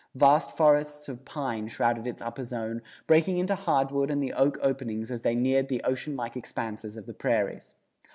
Vast forests of pine shrouded its upper zone, breaking into hardwood and the oak openings as they neared the ocean like expanses of the prairies.